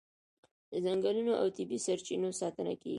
د ځنګلونو او طبیعي سرچینو ساتنه کیږي.